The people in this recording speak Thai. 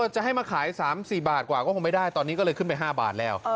จะให้มาขาย๓๔บาทกว่าก็คงไม่ได้ตอนนี้ก็เลยขึ้นไป๕บาทแล้ว